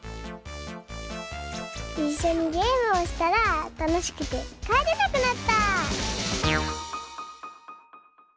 いっしょにゲームをしたらたのしくてかえれなくなった！